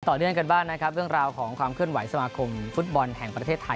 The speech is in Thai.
ต่อเนื่องกันบ้างนะครับเรื่องราวของความเคลื่อนไหวสมาคมฟุตบอลแห่งประเทศไทย